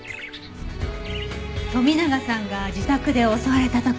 富永さんが自宅で襲われた時